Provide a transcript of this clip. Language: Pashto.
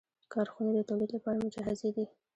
کارخونې د تولید لپاره مجهزې دي.